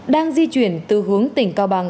đang di chuyển từ hướng tỉnh cao bằng